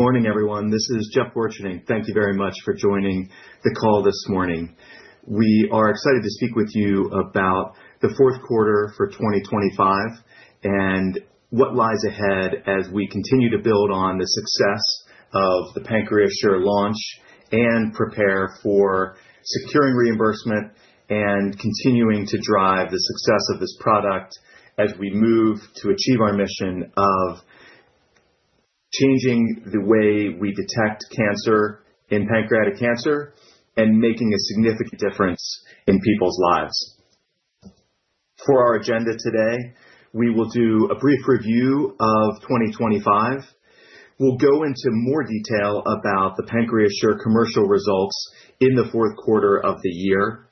Morning, everyone. This is Jeff Borcherding. Thank you very much for joining the call this morning. We are excited to speak with you about the fourth quarter for 2025 and what lies ahead as we continue to build on the success of the PancreaSure launch and prepare for securing reimbursement and continuing to drive the success of this product as we move to achieve our mission of changing the way we detect cancer in pancreatic cancer and making a significant difference in people's lives. For our agenda today, we will do a brief review of 2025. We'll go into more detail about the PancreaSure commercial results in the fourth quarter of the year.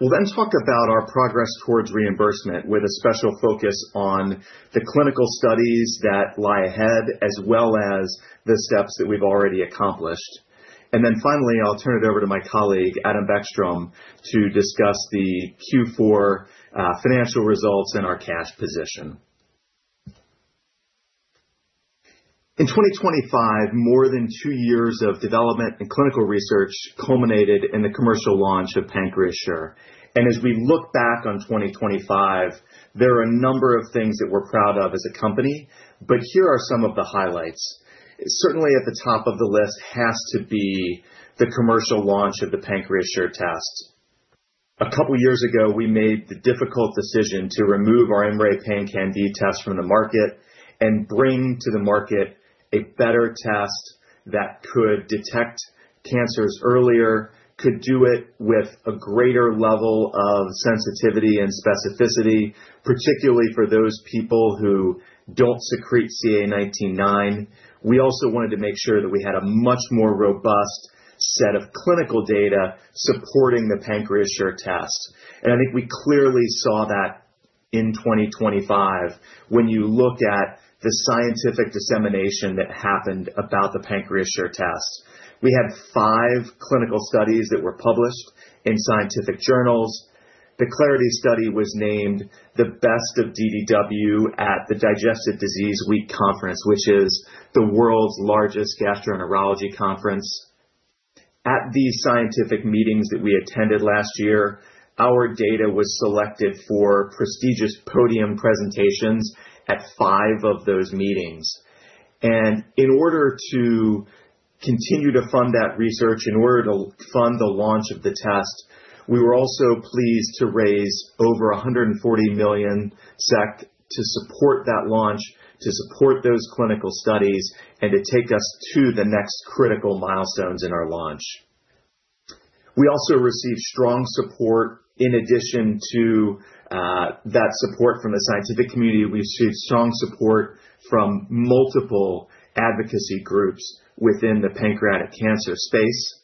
We'll then talk about our progress towards reimbursement, with a special focus on the clinical studies that lie ahead, as well as the steps that we've already accomplished. Finally, I'll turn it over to my colleague, Adam Bäckström, to discuss the Q4 financial results and our cash position. In 2025, more than 2 years of development and clinical research culminated in the commercial launch of PancreaSure. As we look back on 2025, there are a number of things that we're proud of as a company, but here are some of the highlights. Certainly, at the top of the list has to be the commercial launch of the PancreaSure test. A couple of years ago, we made the difficult decision to remove our IMMray PanCan-d test from the market and bring to the market a better test that could detect cancers earlier, could do it with a greater level of sensitivity and specificity, particularly for those people who don't secrete CA19-9. We also wanted to make sure that we had a much more robust set of clinical data supporting the PancreaSure test. I think we clearly saw that in 2025 when you look at the scientific dissemination that happened about the PancreaSure test. We had five clinical studies that were published in scientific journals. The CLARITI study was named the Best of DDW at the Digestive Disease Week Conference, which is the world's largest gastroenterology conference. At these scientific meetings that we attended last year, our data was selected for prestigious podium presentations at five of those meetings. In order to continue to fund that research, in order to fund the launch of the test, we were also pleased to raise over 140 million SEK to support that launch, to support those clinical studies, and to take us to the next critical milestones in our launch. We also received strong support. In addition to, that support from the scientific community, we've received strong support from multiple advocacy groups within the pancreatic cancer space.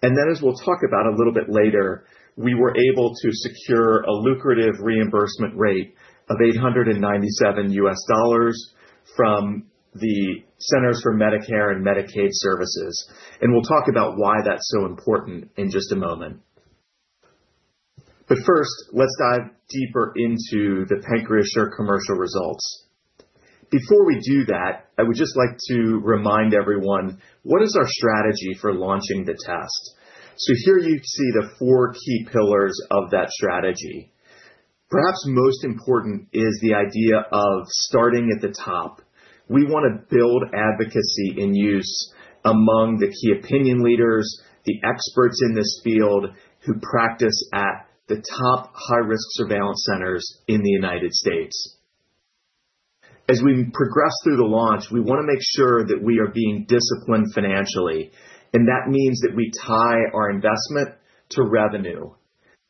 Then, as we'll talk about a little bit later, we were able to secure a lucrative reimbursement rate of $897 from the Centers for Medicare & Medicaid Services. We'll talk about why that's so important in just a moment. First, let's dive deeper into the PancreaSure commercial results. Before we do that, I would just like to remind everyone, what is our strategy for launching the test? Here you see the four key pillars of that strategy. Perhaps most important is the idea of starting at the top. We want to build advocacy and use among the key opinion leaders, the experts in this field, who practice at the top high-risk surveillance centers in the United States. As we progress through the launch, we want to make sure that we are being disciplined financially, and that means that we tie our investment to revenue.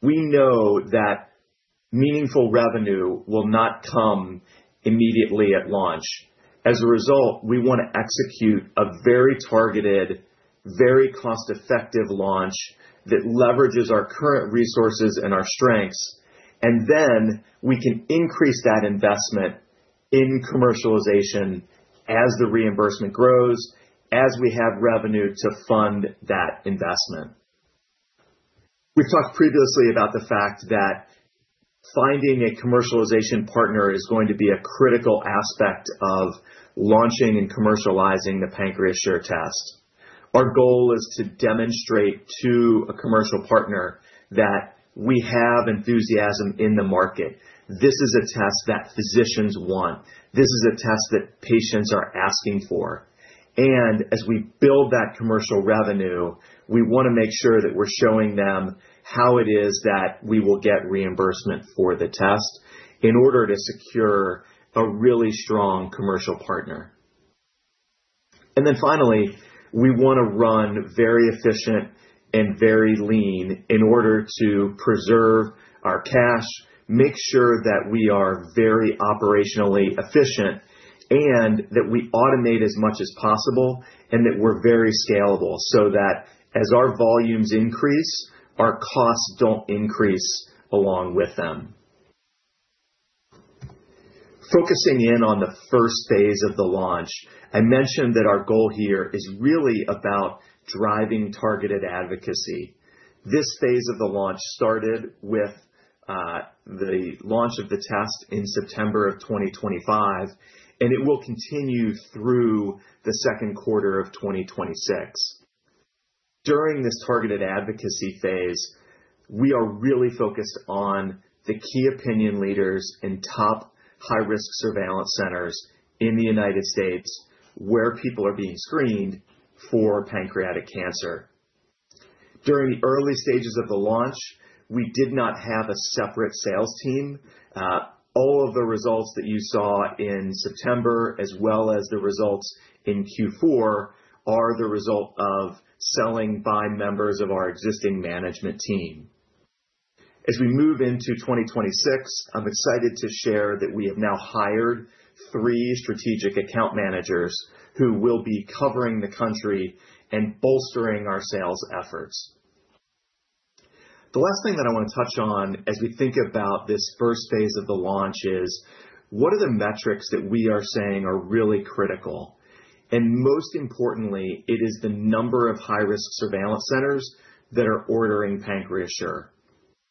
We know that meaningful revenue will not come immediately at launch. As a result, we want to execute a very targeted, very cost-effective launch that leverages our current resources and our strengths, and then we can increase that investment in commercialization as the reimbursement grows, as we have revenue to fund that investment. We've talked previously about the fact that finding a commercialization partner is going to be a critical aspect of launching and commercializing the PancreaSure test. Our goal is to demonstrate to a commercial partner that we have enthusiasm in the market. This is a test that physicians want. This is a test that patients are asking for. As we build that commercial revenue, we want to make sure that we're showing them how it is that we will get reimbursement for the test in order to secure a really strong commercial partner. Finally, we want to run very efficient and very lean in order to preserve our cash, make sure that we are very operationally efficient, and that we automate as much as possible, and that we're very scalable, so that as our volumes increase, our costs don't increase along with them. Focusing in on the first phase of the launch, I mentioned that our goal here is really about driving targeted advocacy. This phase of the launch started with the launch of the test in September 2025, and it will continue through 2Q 2026. During this targeted advocacy phase, we are really focused on the key opinion leaders in top high-risk surveillance centers in the United States, where people are being screened for pancreatic cancer. During the early stages of the launch, we did not have a separate sales team. All of the results that you saw in September, as well as the results in Q4, are the result of selling by members of our existing management team. As we move into 2026, I'm excited to share that we have now hired 3 strategic account managers who will be covering the country and bolstering our sales efforts. The last thing that I want to touch on as we think about this first phase of the launch is: What are the metrics that we are saying are really critical? Most importantly, it is the number of high-risk surveillance centers that are ordering PancreaSure.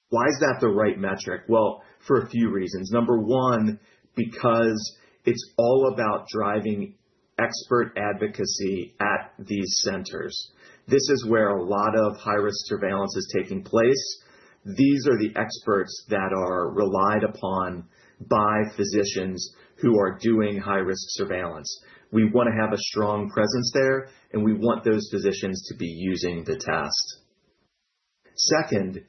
Why is that the right metric? For a few reasons. Number 1, because it's all about driving expert advocacy at these centers. This is where a lot of high-risk surveillance is taking place. These are the experts that are relied upon by physicians who are doing high-risk surveillance. We want to have a strong presence there, and we want those physicians to be using the test. Second,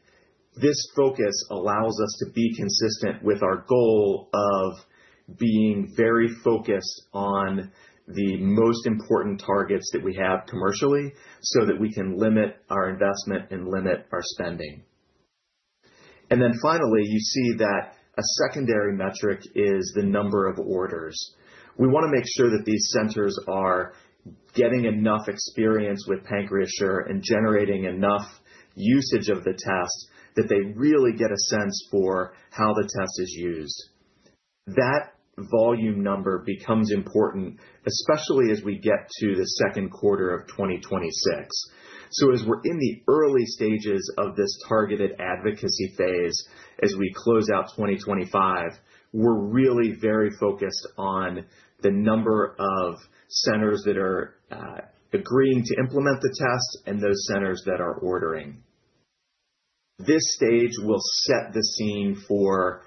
this focus allows us to be consistent with our goal of being very focused on the most important targets that we have commercially, so that we can limit our investment and limit our spending. Finally, you see that a secondary metric is the number of orders. We want to make sure that these centers are getting enough experience with PancreaSure and generating enough usage of the test that they really get a sense for how the test is used. That volume number becomes important, especially as we get to the second quarter of 2026. As we're in the early stages of this targeted advocacy phase, as we close out 2025, we're really very focused on the number of centers that are agreeing to implement the test and those centers that are ordering. This stage will set the scene for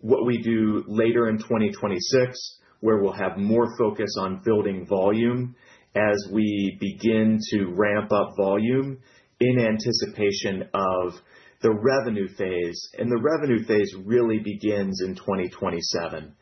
what we do later in 2026, where we'll have more focus on building volume as we begin to ramp up volume in anticipation of the revenue phase. The revenue phase really begins in 2027.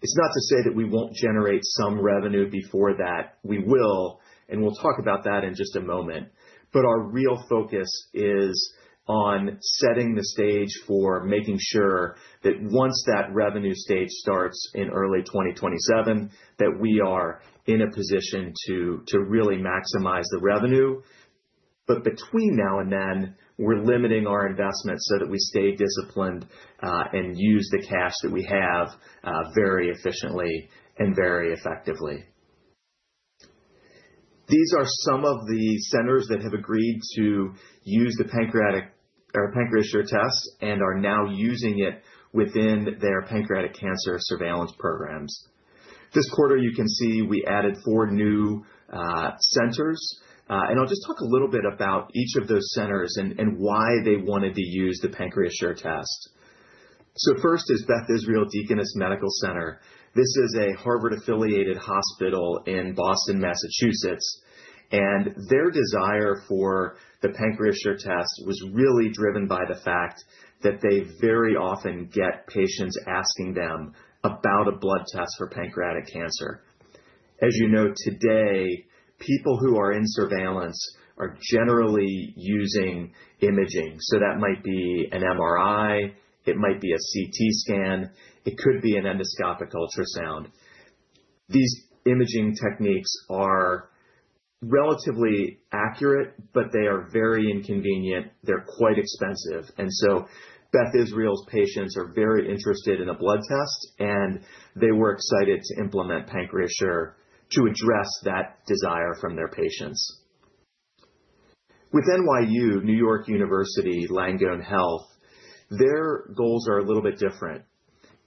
It's not to say that we won't generate some revenue before that. We will. We'll talk about that in just a moment. Our real focus is on setting the stage for making sure that once that revenue stage starts in early 2027, that we are in a position to really maximize the revenue. Between now and then, we're limiting our investment so that we stay disciplined and use the cash that we have very efficiently and very effectively. These are some of the centers that have agreed to use the pancreatic or PancreaSure test and are now using it within their pancreatic cancer surveillance programs. This quarter, you can see we added four new centers. I'll just talk a little bit about each of those centers and why they wanted to use the PancreaSure test. First is Beth Israel Deaconess Medical Center. This is a Harvard University-affiliated hospital in Boston, Massachusetts. Their desire for the PancreaSure test was really driven by the fact that they very often get patients asking them about a blood test for pancreatic cancer. As you know, today, people who are in surveillance are generally using imaging. That might be an MRI, it might be a CT scan, it could be an endoscopic ultrasound. These imaging techniques are relatively accurate, they are very inconvenient, they're quite expensive. Beth Israel's patients are very interested in a blood test, and they were excited to implement PancreaSure to address that desire from their patients. NYU, New York University, Langone Health, their goals are a little bit different.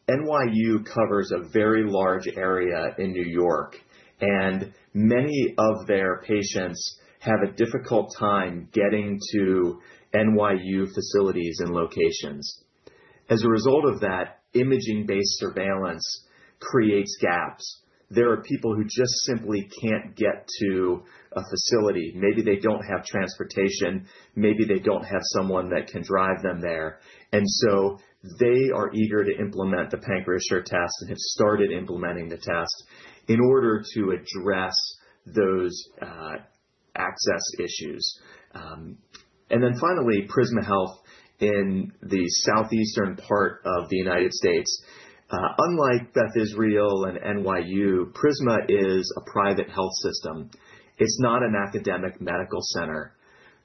NYU covers a very large area in New York, and many of their patients have a difficult time getting to NYU facilities and locations. As a result of that, imaging-based surveillance creates gaps. There are people who just simply can't get to a facility. Maybe they don't have transportation, maybe they don't have someone that can drive them there. They are eager to implement the PancreaSure test and have started implementing the test in order to address those access issues. Finally, Prisma Health in the southeastern part of the United States. Unlike Beth Israel and NYU, Prisma is a private health system. It's not an academic medical center,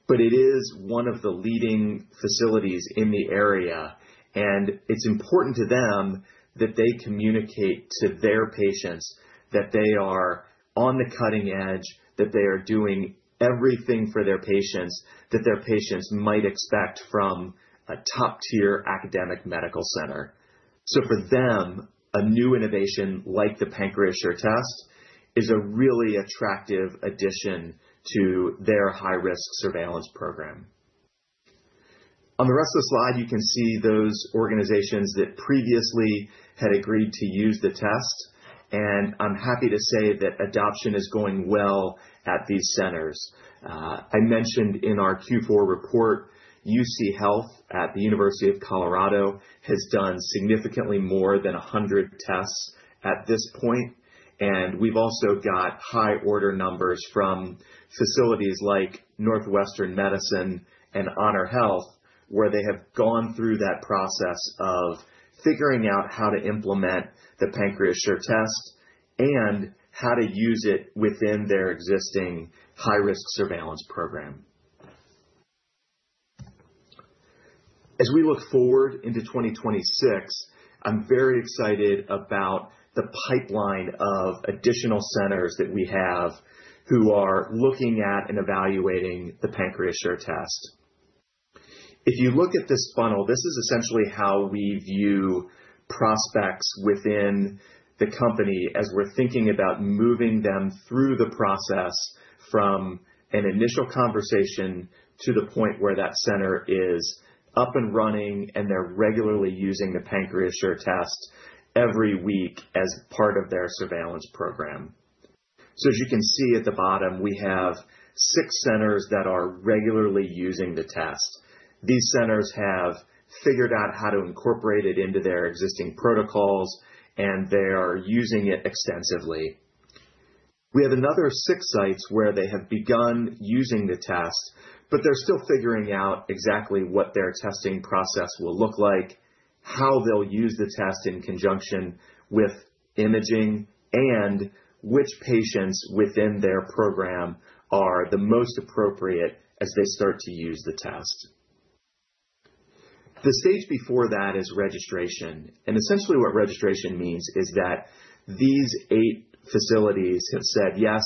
it is one of the leading facilities in the area, it's important to them that they communicate to their patients that they are on the cutting edge, that they are doing everything for their patients that their patients might expect from a top-tier academic medical center. For them, a new innovation like the PancreaSure test is a really attractive addition to their high-risk surveillance program. On the rest of the slide, you can see those organizations that previously had agreed to use the test, I'm happy to say that adoption is going well at these centers. I mentioned in our Q4 report, UC Health at the University of Colorado has done significantly more than 100 tests at this point. We've also got high order numbers from facilities like Northwestern Medicine and HonorHealth, where they have gone through that process of figuring out how to implement the PancreaSure test and how to use it within their existing high-risk surveillance program. As we look forward into 2026, I'm very excited about the pipeline of additional centers that we have who are looking at and evaluating the PancreaSure test. If you look at this funnel, this is essentially how we view prospects within the company as we're thinking about moving them through the process from an initial conversation to the point where that center is up and running, and they're regularly using the PancreaSure test every week as part of their surveillance program. As you can see at the bottom, we have six centers that are regularly using the test. These centers have figured out how to incorporate it into their existing protocols, and they are using it extensively. We have another six sites where they have begun using the test, but they're still figuring out exactly what their testing process will look like, how they'll use the test in conjunction with imaging, and which patients within their program are the most appropriate as they start to use the test. The stage before that is registration, and essentially what registration means is that these eight facilities have said, "Yes,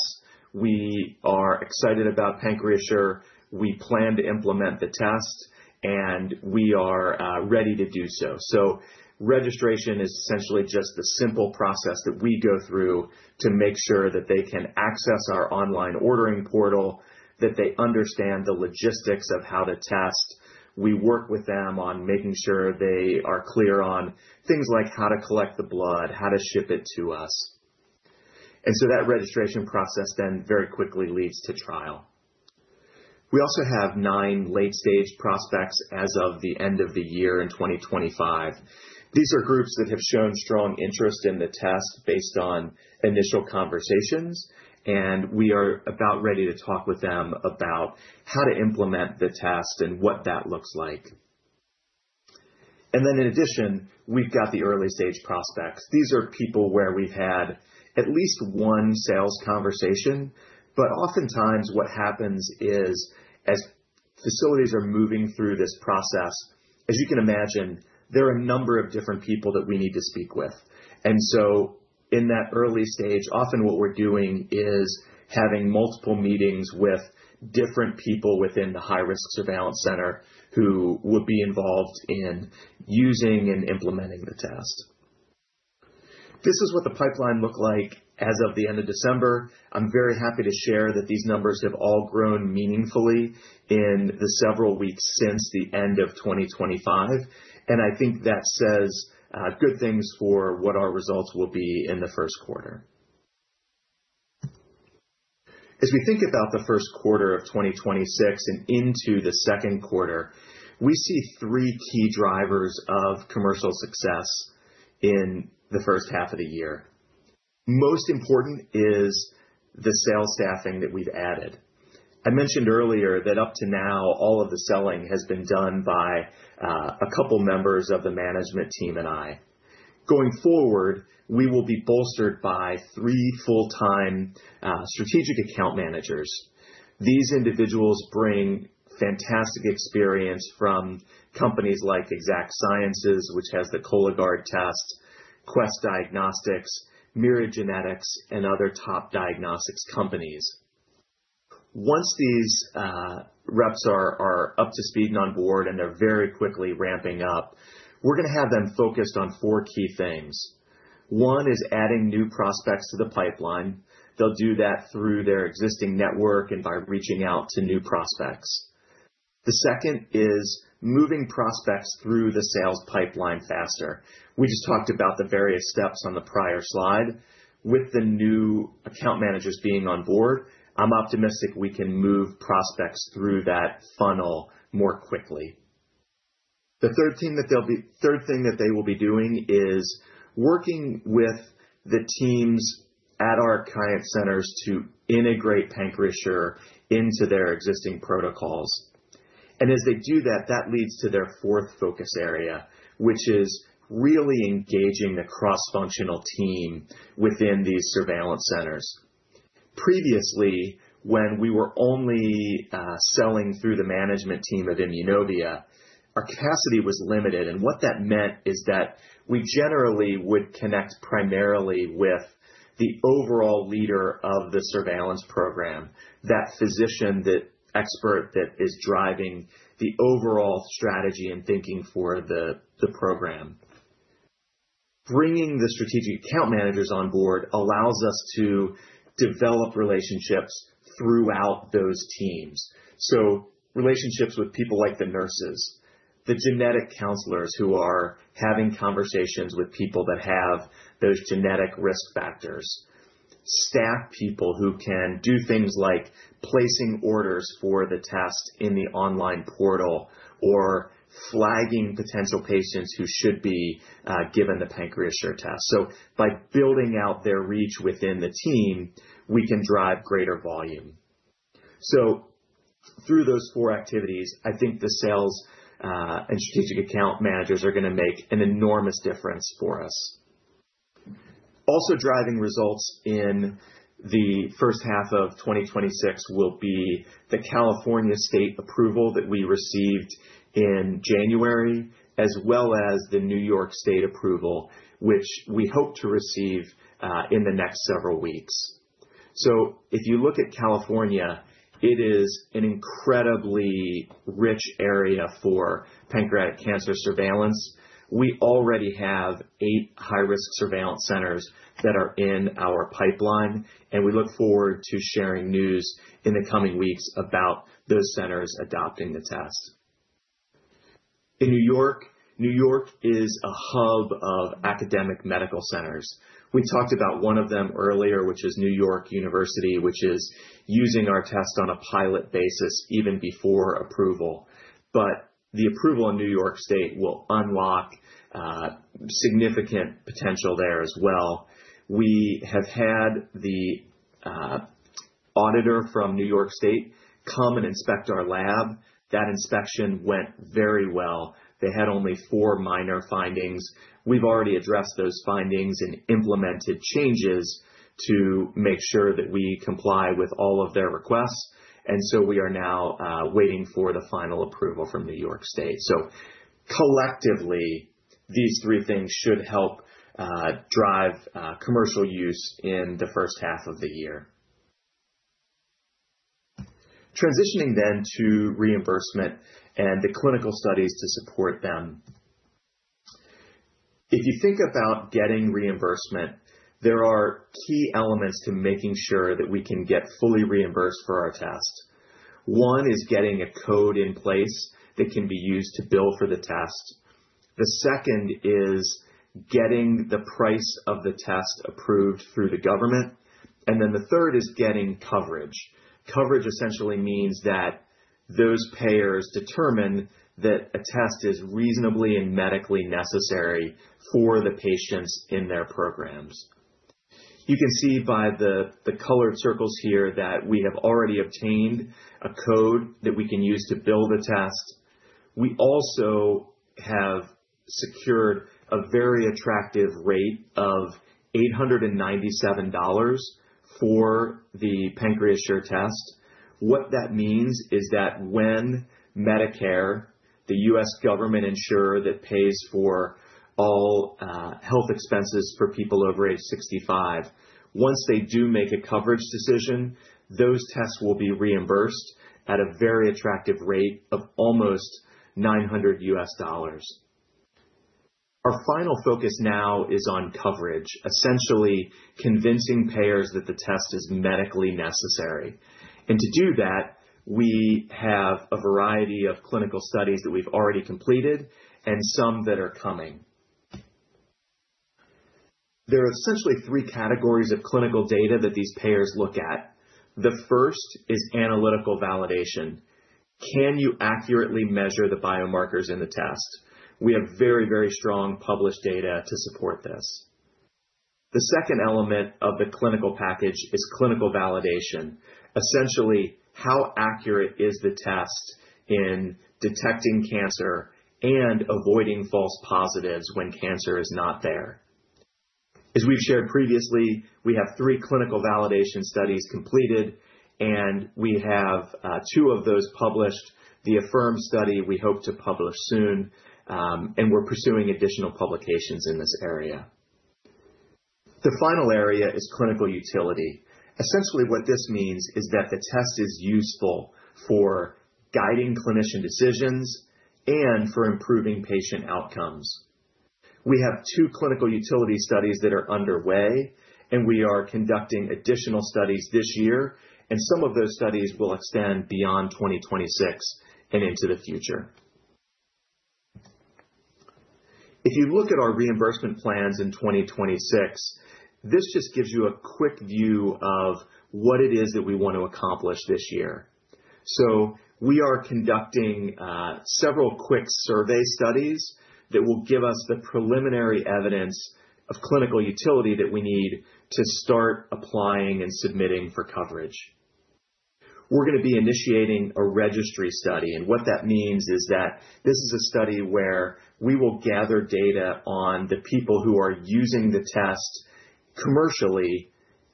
we are excited about PancreaSure. We plan to implement the test, and we are ready to do so. Registration is essentially just a simple process that we go through to make sure that they can access our online ordering portal, that they understand the logistics of how to test. We work with them on making sure they are clear on things like how to collect the blood, how to ship it to us. That registration process then very quickly leads to trial. We also have 9 late-stage prospects as of the end of the year in 2025. These are groups that have shown strong interest in the test based on initial conversations, and we are about ready to talk with them about how to implement the test and what that looks like. In addition, we've got the early-stage prospects. These are people where we've had at least one sales conversation. Oftentimes what happens is, as facilities are moving through this process, as you can imagine, there are a number of different people that we need to speak with. In that early stage, often what we're doing is having multiple meetings with different people within the high-risk surveillance center who would be involved in using and implementing the test. This is what the pipeline looked like as of the end of December. I'm very happy to share that these numbers have all grown meaningfully in the several weeks since the end of 2025. I think that says good things for what our results will be in the first quarter. As we think about the first quarter of 2026 and into the second quarter, we see 3 key drivers of commercial success in the first half of the year. Most important is the sales staffing that we've added. I mentioned earlier that up to now, all of the selling has been done by a couple members of the management team and I. Going forward, we will be bolstered by 3 full-time strategic account managers. These individuals bring fantastic experience from companies like Exact Sciences, which has the Cologuard test, Quest Diagnostics, Myriad Genetics, and other top diagnostics companies. Once these reps are up to speed and on board, and they're very quickly ramping up, we're going to have them focused on 4 key things. One is adding new prospects to the pipeline. They'll do that through their existing network and by reaching out to new prospects. The second is moving prospects through the sales pipeline faster. We just talked about the various steps on the prior slide. With the new account managers being on board, I'm optimistic we can move prospects through that funnel more quickly. The third thing that they will be doing is working with the teams at our client centers to integrate PancreaSure into their existing protocols. As they do that leads to their fourth focus area, which is really engaging the cross-functional team within these surveillance centers. Previously, when we were only selling through the management team at Immunovia, our capacity was limited, and what that meant is that we generally would connect primarily with the overall leader of the surveillance program, that physician, that expert that is driving the overall strategy and thinking for the program. Bringing the strategic account managers on board allows us to develop relationships throughout those teams. Relationships with people like the nurses, the genetic counselors who are having conversations with people that have those genetic risk factors, staff people who can do things like placing orders for the test in the online portal or flagging potential patients who should be given the PancreaSure test. By building out their reach within the team, we can drive greater volume. Through those 4 activities, I think the sales and strategic account managers are going to make an enormous difference for us. Also, driving results in the first half of 2026 will be the California state approval that we received in January, as well as the New York State approval, which we hope to receive in the next several weeks. If you look at California, it is an incredibly rich area for pancreatic cancer surveillance. We already have eight high-risk surveillance centers that are in our pipeline, and we look forward to sharing news in the coming weeks about those centers adopting the test. In New York, New York is a hub of academic medical centers. We talked about one of them earlier, which is New York University, which is using our test on a pilot basis even before approval. The approval in New York State will unlock significant potential there as well. We have had the auditor from New York State come and inspect our lab. That inspection went very well. They had only four minor findings. We've already addressed those findings and implemented changes to make sure that we comply with all of their requests. We are now waiting for the final approval from New York State. Collectively, these three things should help drive commercial use in the first half of the year. Transitioning to reimbursement and the clinical studies to support them. If you think about getting reimbursement, there are key elements to making sure that we can get fully reimbursed for our test. One is getting a code in place that can be used to bill for the test. The second is getting the price of the test approved through the government. The third is getting coverage. Coverage essentially means that those payers determine that a test is reasonably and medically necessary for the patients in their programs. You can see by the colored circles here that we have already obtained a code that we can use to bill the test. We also have secured a very attractive rate of $897 for the PancreaSure test. What that means is that when Medicare, the U.S. government insurer, that pays for all health expenses for people over age 65, once they do make a coverage decision, those tests will be reimbursed at a very attractive rate of almost $900. Our final focus now is on coverage, essentially convincing payers that the test is medically necessary. To do that, we have a variety of clinical studies that we've already completed and some that are coming. There are essentially 3 categories of clinical data that these payers look at. The first is analytical validation. Can you accurately measure the biomarkers in the test? We have very, very strong published data to support this. The second element of the clinical package is clinical validation. Essentially, how accurate is the test in detecting cancer and avoiding false positives when cancer is not there? As we've shared previously, we have three clinical validation studies completed, and we have two of those published. The AFFIRM study, we hope to publish soon, and we're pursuing additional publications in this area. The final area is clinical utility. Essentially, what this means is that the test is useful for guiding clinician decisions and for improving patient outcomes. We have two clinical utility studies that are underway, and we are conducting additional studies this year, and some of those studies will extend beyond 2026 and into the future. If you look at our reimbursement plans in 2026, this just gives you a quick view of what it is that we want to accomplish this year. We are conducting several quick survey studies that will give us the preliminary evidence of clinical utility that we need to start applying and submitting for coverage. We're gonna be initiating a registry study. What that means is that this is a study where we will gather data on the people who are using the test commercially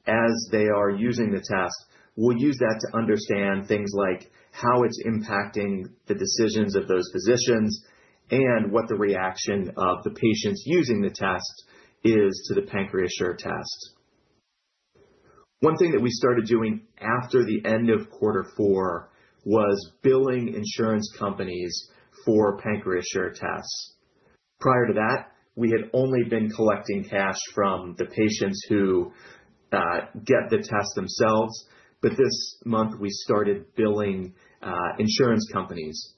as they are using the test. We'll use that to understand things like how it's impacting the decisions of those physicians and what the reaction of the patients using the test is to the PancreaSure test. One thing that we started doing after the end of quarter four was billing insurance companies for PancreaSure tests. Prior to that, we had only been collecting cash from the patients who get the test themselves, but this month we started billing insurance companies.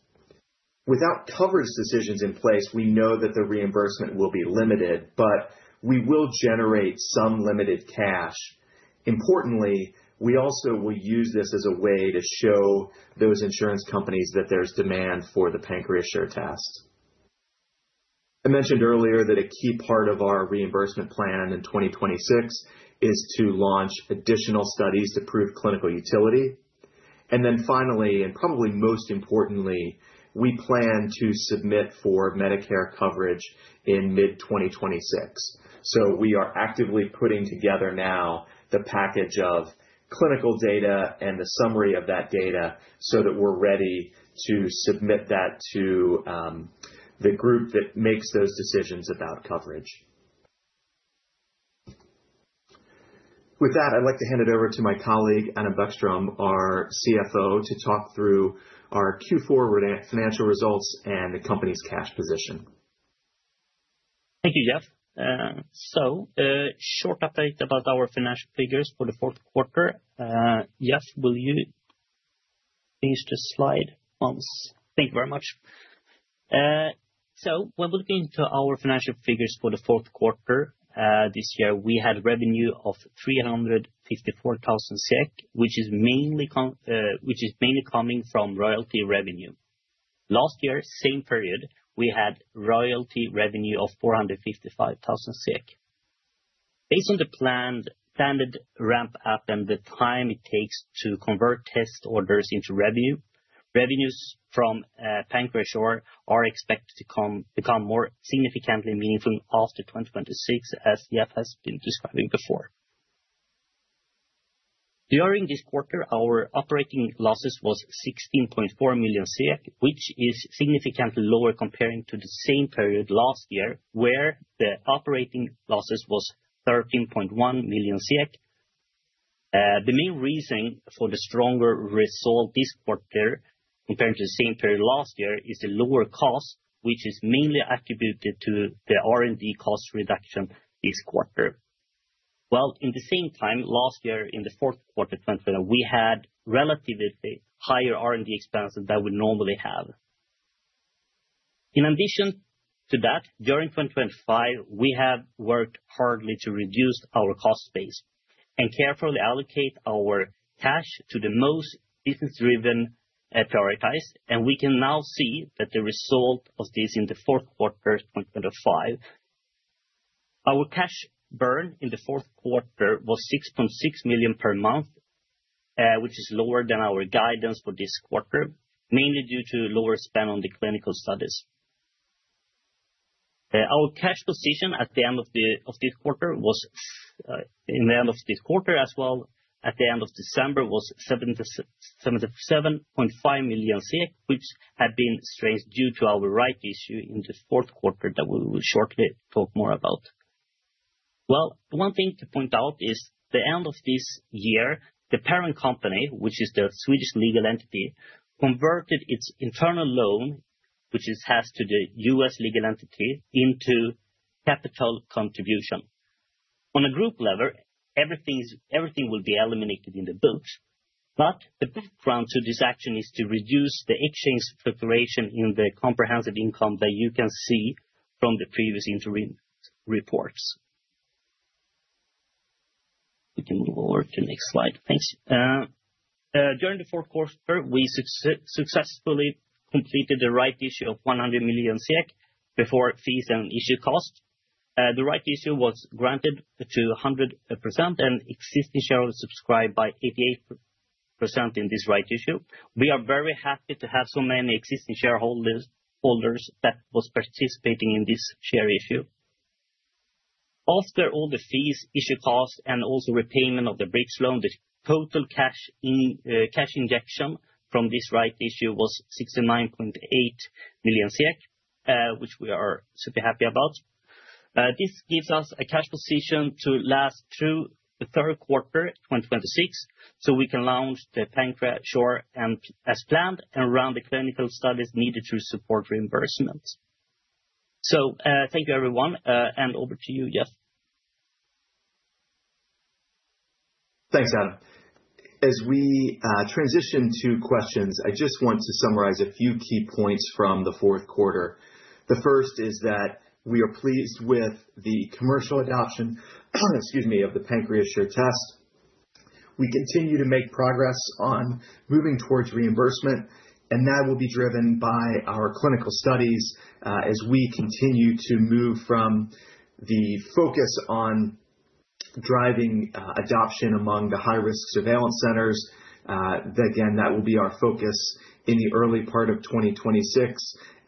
Without coverage decisions in place, we know that the reimbursement will be limited, but we will generate some limited cash. Importantly, we also will use this as a way to show those insurance companies that there's demand for the PancreaSure test. I mentioned earlier that a key part of our reimbursement plan in 2026 is to launch additional studies to prove clinical utility. Finally, and probably most importantly, we plan to submit for Medicare coverage in mid-2026. We are actively putting together now the package of clinical data and the summary of that data so that we're ready to submit that to the group that makes those decisions about coverage. With that, I'd like to hand it over to my colleague, Adam Bäckström, our CFO, to talk through our Q4 financial results and the company's cash position. Thank you, Jeff. A short update about our financial figures for the fourth quarter. Jeff, will you please just slide once? Thank you very much. When looking into our financial figures for the fourth quarter this year, we had revenue of 354,000 SEK, which is mainly coming from royalty revenue. Last year, same period, we had royalty revenue of 455,000 SEK. Based on the planned, standard ramp-up and the time it takes to convert test orders into revenue, revenues from PancreaSure are expected to become more significantly meaningful after 2026, as Jeff has been describing before. During this quarter, our operating losses was 16.4 million SEK, which is significantly lower comparing to the same period last year, where the operating losses was 13.1 million. The main reason for the stronger result this quarter, compared to the same period last year, is the lower cost, which is mainly attributed to the R&D cost reduction this quarter. In the same time, last year, in the fourth quarter 2027, we had relatively higher R&D expenses than we normally have. In addition to that, during 2025, we have worked hardly to reduce our cost base and carefully allocate our cash to the most business-driven, prioritize, and we can now see that the result of this in the fourth quarter of 2025. Our cash burn in the fourth quarter was 6.6 million per month, which is lower than our guidance for this quarter, mainly due to lower spend on the clinical studies. Our cash position at the end of this quarter was in the end of this quarter, as well at the end of December, 77.5 million, which had been strengthened due to our rights issue in the fourth quarter, that we will shortly talk more about. Well, one thing to point out is the end of this year, the parent company, which is the Swedish legal entity, converted its internal loan, which it has to the U.S. legal entity, into capital contribution. On a group level, everything will be eliminated in the book. The background to this action is to reduce the exchange preparation in the comprehensive income that you can see from the previous interim reports. We can move over to next slide. Thanks. During the fourth quarter, we successfully completed the right issue of 100 million SEK before fees and issue costs. The right issue was granted to 100%, and existing shareholders subscribed by 88% in this right issue. We are very happy to have so many existing shareholders that was participating in this share issue. After all the fees, issue costs, and also repayment of the bridge loan, the total cash injection from this right issue was 69.8 million SEK, which we are super happy about. This gives us a cash position to last through the third quarter 2026, so we can launch the PancreaSure as planned and run the clinical studies needed to support reimbursement. Thank you, everyone, and over to you, Jeff. Thanks, Adam. As we transition to questions, I just want to summarize a few key points from the fourth quarter. The first is that we are pleased with the commercial adoption, excuse me, of the PancreaSure test. We continue to make progress on moving towards reimbursement, and that will be driven by our clinical studies, as we continue to move from the focus driving adoption among the high-risk surveillance centers. Again, that will be our focus in the early part of 2026,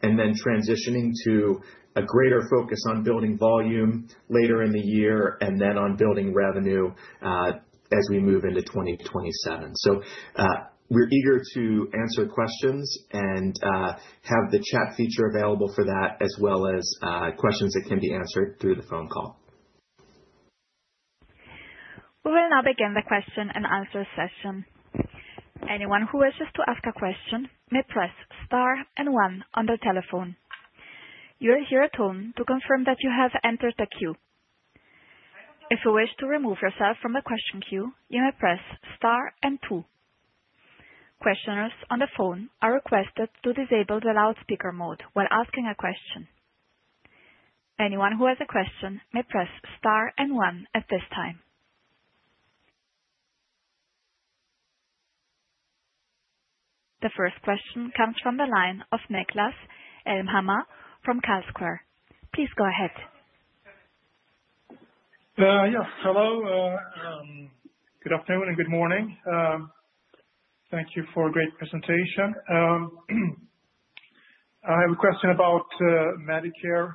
and then transitioning to a greater focus on building volume later in the year, and then on building revenue, as we move into 2027. We're eager to answer questions and have the chat feature available for that, as well as questions that can be answered through the phone call. We will now begin the question and answer session. Anyone who wishes to ask a question, may press star and one on their telephone. You will hear a tone to confirm that you have entered the queue. If you wish to remove yourself from the question queue, you may press star and two. Questioners on the phone are requested to disable the loudspeaker mode when asking a question. Anyone who has a question may press star and one at this time. The first question comes from the line of Niklas Elmhammer from Carlsquare. Please go ahead. Yes, hello, good afternoon and good morning. Thank you for a great presentation. I have a question about Medicare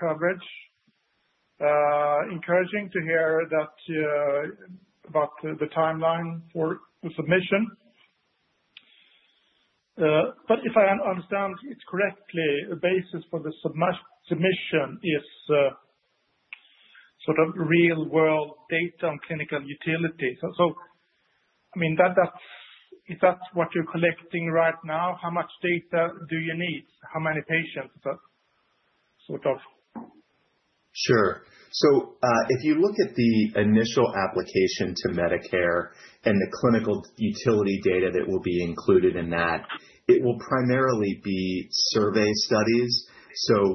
coverage. Encouraging to hear that about the timeline for the submission. If I understand it correctly, the basis for the submission is sort of real world data on clinical utility. I mean, is that what you're collecting right now? How much data do you need? How many patients, sort of? Sure. If you look at the initial application to Medicare and the clinical utility data that will be included in that, it will primarily be survey studies.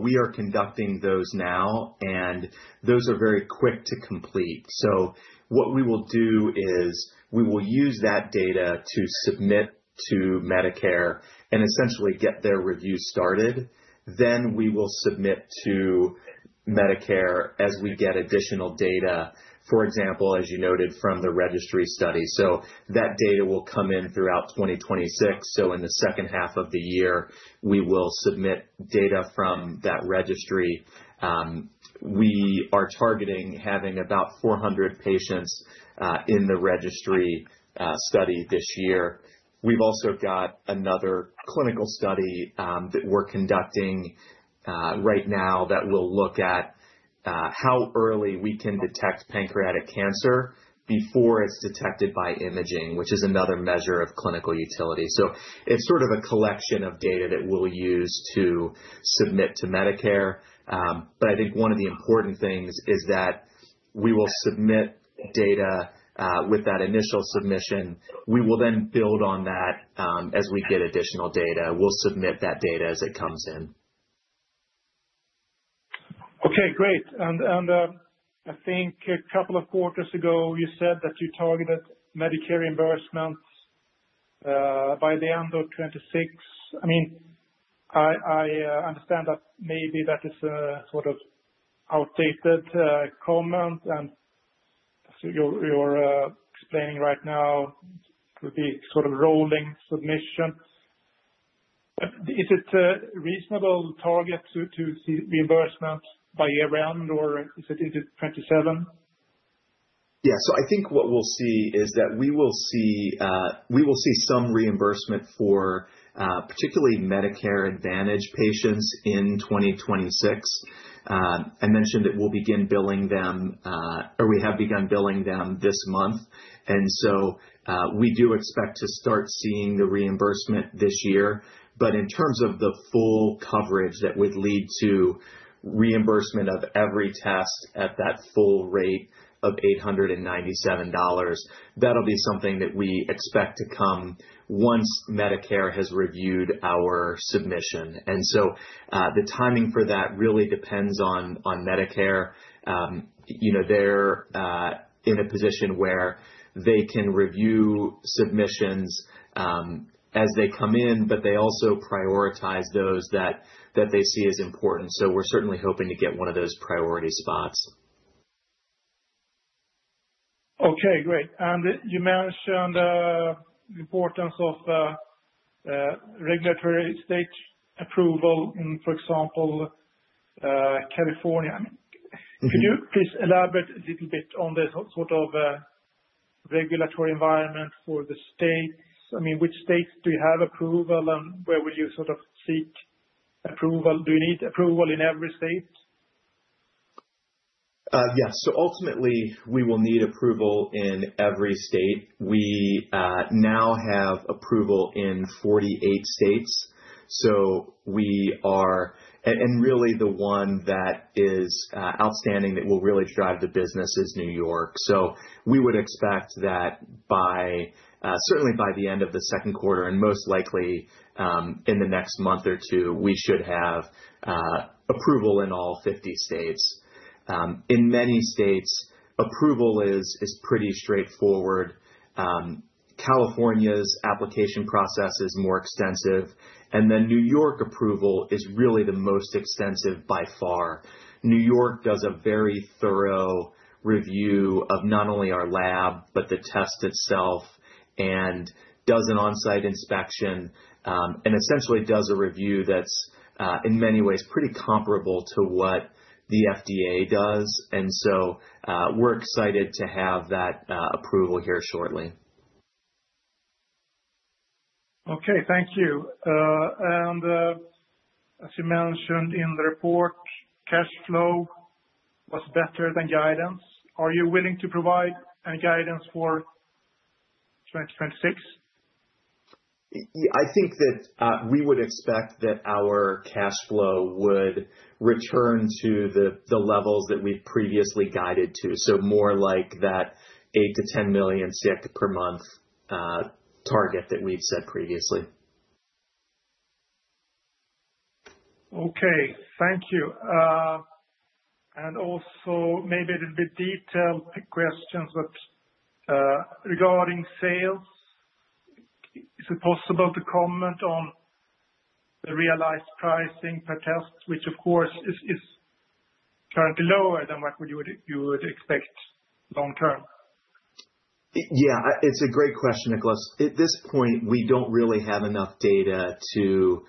We are conducting those now, and those are very quick to complete. What we will do is, we will use that data to submit to Medicare and essentially get their review started. We will submit to Medicare as we get additional data, for example, as you noted from the registry study. That data will come in throughout 2026. In the second half of the year, we will submit data from that registry. We are targeting having about 400 patients in the registry study this year. We've also got another clinical study that we're conducting right now, that will look at how early we can detect pancreatic cancer before it's detected by imaging, which is another measure of clinical utility. It's sort of a collection of data that we'll use to submit to Medicare. I think one of the important things is that we will submit data with that initial submission. We will build on that as we get additional data. We'll submit that data as it comes in. Okay, great. I think a couple of quarters ago, you said that you targeted Medicare reimbursements by the end of 2026. I mean, I understand that maybe that is a sort of outdated comment, you're explaining right now, would be sort of rolling submission. Is it a reasonable target to see reimbursements by year-end, or is it into 2027? Yeah. I think what we'll see is that we will see some reimbursement for particularly Medicare Advantage patients in 2026. I mentioned that we'll begin billing them, or we have begun billing them this month, we do expect to start seeing the reimbursement this year. In terms of the full coverage that would lead to reimbursement of every test at that full rate of $897, that'll be something that we expect to come once Medicare has reviewed our submission. The timing for that really depends on Medicare. You know, they're in a position where they can review submissions as they come in, but they also prioritize those that they see as important, we're certainly hoping to get one of those priority spots. Okay, great. You mentioned the importance of regulatory state approval in, for example, California. Mm-hmm. Can you please elaborate a little bit on the sort of regulatory environment for the states? I mean, which states do you have approval, and where would you sort of seek approval? Do you need approval in every state? Yes. Ultimately, we will need approval in every state. We now have approval in 48 states, and really, the one that is outstanding, that will really drive the business is New York. We would expect that by certainly by the end of the second quarter, and most likely, in the next month or two, we should have approval in all 50 states. In many states, approval is pretty straightforward. California's application process is more extensive, New York approval is really the most extensive by far. New York does a very thorough review of not only our lab, but the test itself, and does an on-site inspection, and essentially does a review that's in many ways pretty comparable to what the FDA does. We're excited to have that approval here shortly. Okay, thank you. As you mentioned in the report, cash flow was better than guidance. Are you willing to provide any guidance for 2026? I think that we would expect that our cash flow would return to the levels that we've previously guided to. More like that 8 million-10 million SEK per month target that we've said previously. Okay, thank you. Also maybe a little bit detailed questions, but regarding sales, is it possible to comment on the realized pricing per test, which of course is currently lower than what you would expect long term? Yeah, it's a great question, Niklas. At this point, we don't really have enough data to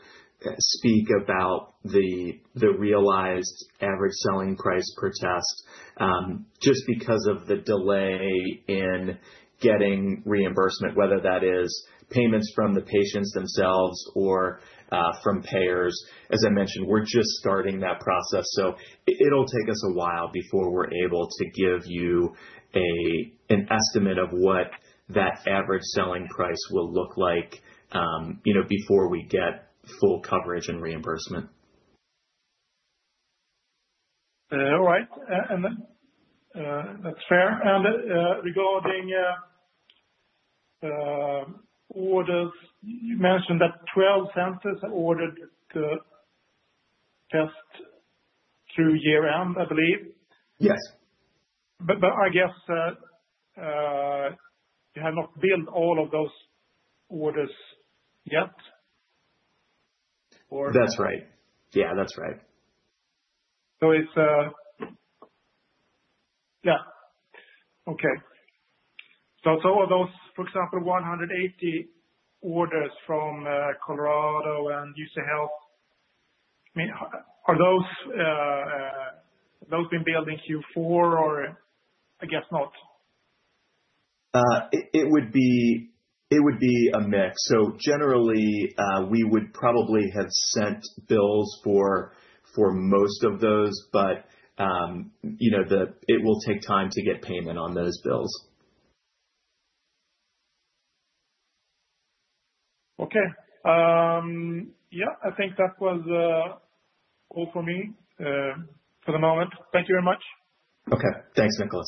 speak about the realized average selling price per test, just because of the delay in getting reimbursement, whether that is payments from the patients themselves or from payers. As I mentioned, we're just starting that process, so it'll take us a while before we're able to give you an estimate of what that average selling price will look like, you know, before we get full coverage and reimbursement. All right. That's fair. Regarding orders, you mentioned that 12 centers are ordered to test through year-end, I believe. Yes. I guess, you have not billed all of those orders yet, or? That's right. Yeah, that's right. Are those, for example, 180 orders from Colorado and UCHealth, I mean, are those been billed in Q4, or I guess not? It would be a mix. Generally, we would probably have sent bills for most of those, but, you know, it will take time to get payment on those bills. Okay. Yeah, I think that was all for me for the moment. Thank you very much. Okay. Thanks, Niklas.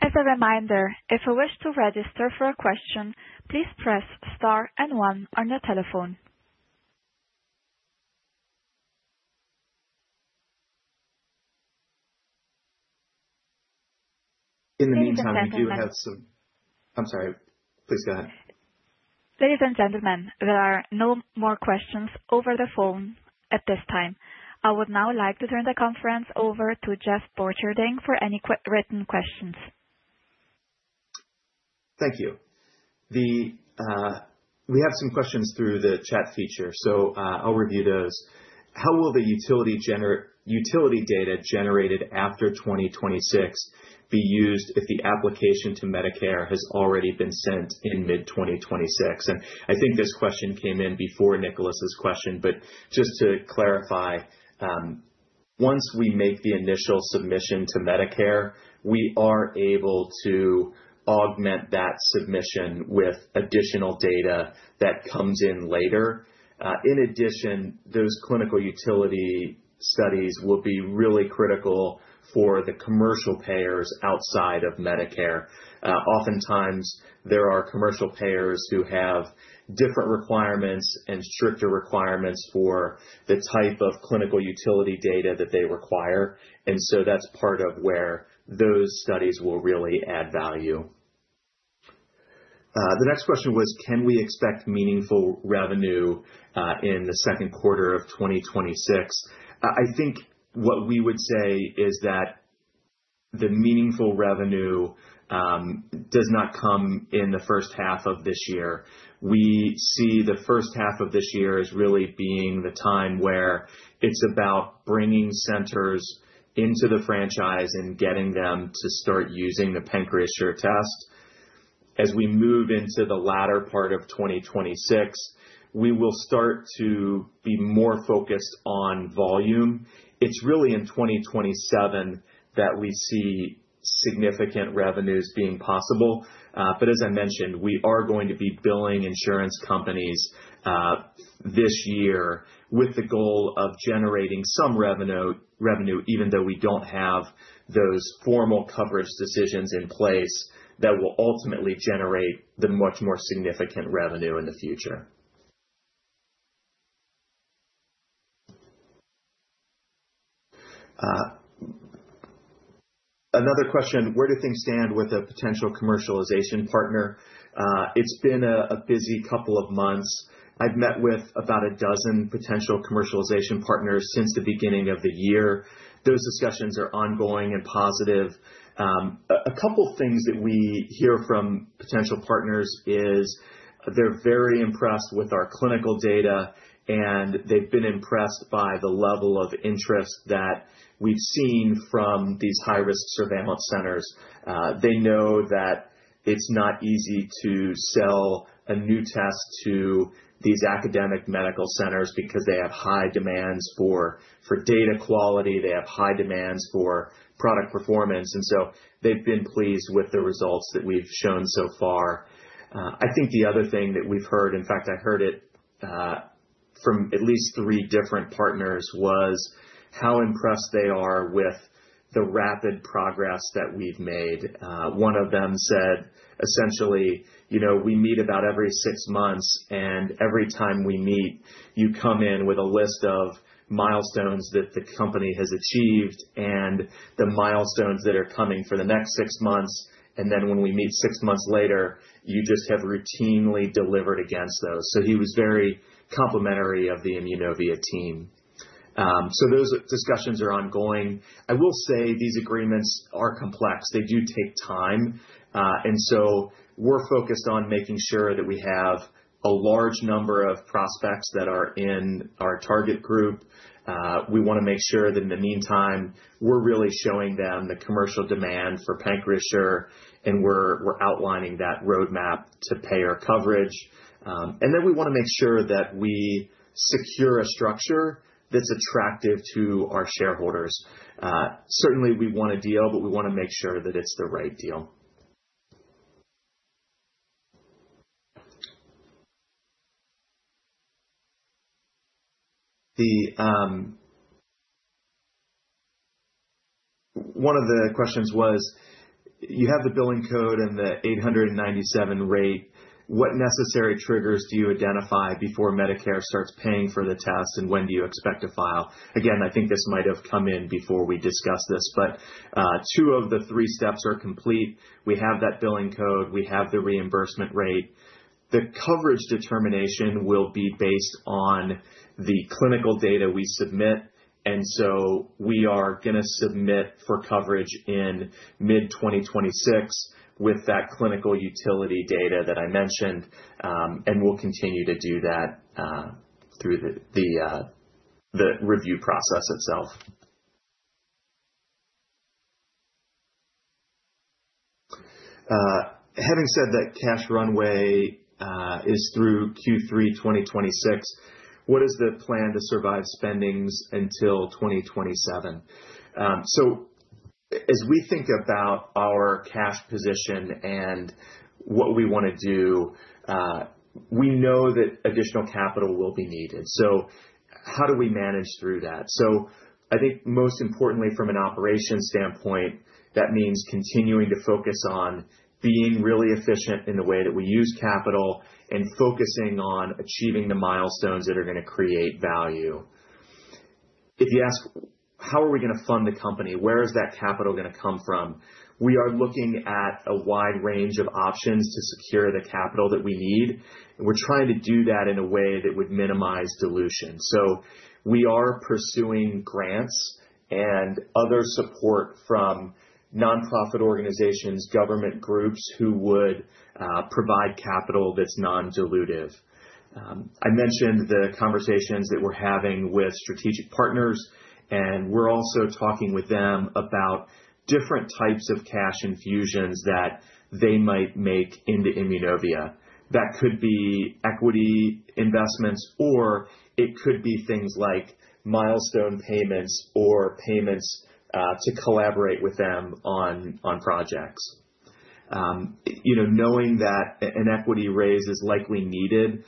As a reminder, if you wish to register for a question, please press star and one on your telephone. In the meantime, we do have. Ladies and gentlemen. I'm sorry. Please go ahead. Ladies and gentlemen, there are no more questions over the phone at this time. I would now like to turn the conference over to Jeff Borcherding for any written questions. Thank you. We have some questions through the chat feature, I'll review those. How will the utility data generated after 2026 be used if the application to Medicare has already been sent in mid-2026? I think this question came in before Niklas's question, but just to clarify, once we make the initial submission to Medicare, we are able to augment that submission with additional data that comes in later. In addition, those clinical utility studies will be really critical for the commercial payers outside of Medicare. Oftentimes, there are commercial payers who have different requirements and stricter requirements for the type of clinical utility data that they require, that's part of where those studies will really add value. The next question was: Can we expect meaningful revenue in the second quarter of 2026? I think what we would say is that the meaningful revenue does not come in the first half of this year. We see the first half of this year as really being the time where it's about bringing centers into the franchise and getting them to start using the PancreaSure test. As we move into the latter part of 2026, we will start to be more focused on volume. It's really in 2027 that we see significant revenues being possible. As I mentioned, we are going to be billing insurance companies this year with the goal of generating some revenue, even though we don't have those formal coverage decisions in place, that will ultimately generate the much more significant revenue in the future. Another question, where do things stand with a potential commercialization partner? It's been a busy couple of months. I've met with about a dozen potential commercialization partners since the beginning of the year. Those discussions are ongoing and positive. A couple things that we hear from potential partners is they're very impressed with our clinical data, and they've been impressed by the level of interest that we've seen from these high-risk surveillance centers. They know that it's not easy to sell a new test to these academic medical centers because they have high demands for data quality, they have high demands for product performance, they've been pleased with the results that we've shown so far. I think the other thing that we've heard, in fact, I heard it from at least 3 different partners, was how impressed they are with the rapid progress that we've made. One of them said, essentially, "You know, we meet about every 6 months, and every time we meet, you come in with a list of milestones that the company has achieved and the milestones that are coming for the next 6 months, and then when we meet 6 months later, you just have routinely delivered against those." He was very complimentary of the Immunovia team. Those discussions are ongoing. I will say these agreements are complex. They do take time. We're focused on making sure that we have a large number of prospects that are in our target group. We wanna make sure that in the meantime, we're really showing them the commercial demand for PancreaSure, and we're outlining that roadmap to payer coverage. We wanna make sure that we secure a structure that's attractive to our shareholders. Certainly we want a deal, but we wanna make sure that it's the right deal. One of the questions was: You have the billing code and the $897 rate, what necessary triggers do you identify before Medicare starts paying for the test, and when do you expect to file? Again, I think this might have come in before we discussed this, but two of the three steps are complete. We have that billing code, we have the reimbursement rate. The coverage determination will be based on the clinical data we submit. We are gonna submit for coverage in mid-2026 with that clinical utility data that I mentioned. We'll continue to do that through the review process itself. Having said that, cash runway, is through Q3 2026, what is the plan to survive spendings until 2027? As we think about our cash position and what we wanna do, we know that additional capital will be needed. How do we manage through that? I think most importantly, from an operations standpoint, that means continuing to focus on being really efficient in the way that we use capital and focusing on achieving the milestones that are gonna create value. If you ask, how are we gonna fund the company? Where is that capital gonna come from? We are looking at a wide range of options to secure the capital that we need, and we're trying to do that in a way that would minimize dilution. We are pursuing grants and other support from nonprofit organizations, government groups, who would provide capital that's non-dilutive. I mentioned the conversations that we're having with strategic partners, and we're also talking with them about different types of cash infusions that they might make into Immunovia. That could be equity investments, or it could be things like milestone payments or payments to collaborate with them on projects. You know, knowing that an equity raise is likely needed,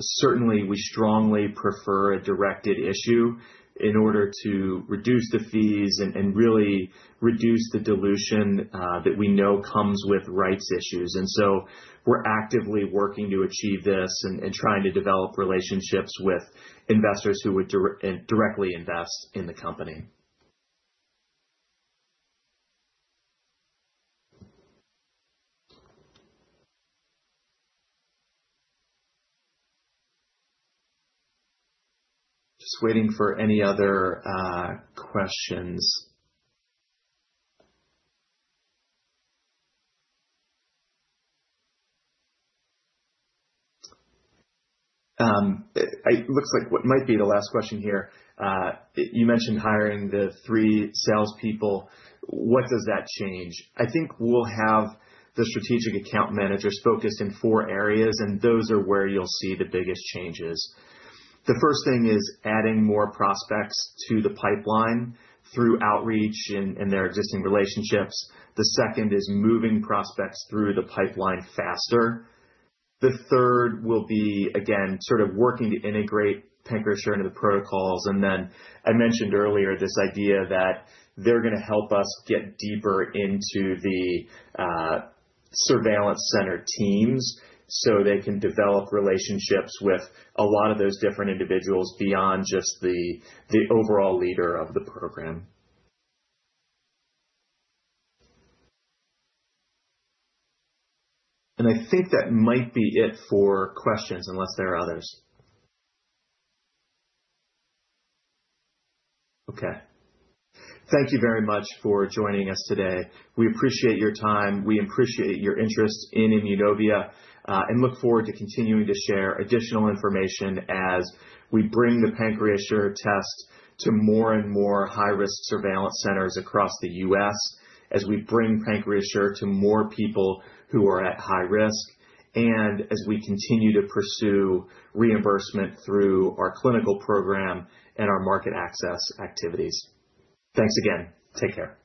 certainly we strongly prefer a directed issue in order to reduce the fees and really reduce the dilution that we know comes with rights issues. We're actively working to achieve this and trying to develop relationships with investors who would directly invest in the company. Just waiting for any other questions. It looks like what might be the last question here. You mentioned hiring the 3 salespeople. What does that change? I think we'll have the strategic account managers focused in 4 areas, and those are where you'll see the biggest changes. The first thing is adding more prospects to the pipeline through outreach in their existing relationships. The second is moving prospects through the pipeline faster. The third will be, again, sort of working to integrate PancreaSure into the protocols. I mentioned earlier this idea that they're gonna help us get deeper into the surveillance center teams, so they can develop relationships with a lot of those different individuals beyond just the overall leader of the program. I think that might be it for questions, unless there are others. Okay. Thank you very much for joining us today. We appreciate your time. We appreciate your interest in Immunovia, and look forward to continuing to share additional information as we bring the PancreaSure test to more and more high-risk surveillance centers across the U.S., as we bring PancreaSure to more people who are at high risk, and as we continue to pursue reimbursement through our clinical program and our market access activities. Thanks again. Take care.